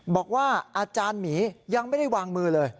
บอกว่าอาจารย์หมียังไม่ได้วางมือเลย